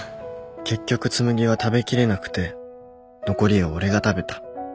結局紬は食べきれなくて残りを俺が食べた